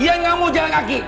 iya nggak mau jalan kaki